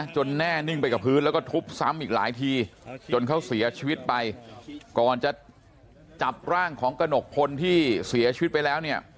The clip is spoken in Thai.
แน่นิ่งไปกับพื้นแล้วก็ทุบซ้ำอีกหลายทีจนเขาเสียชีวิตไปก่อนจะจับร่างของกระหนกพลที่เสียชีวิตไปแล้วเนี่ย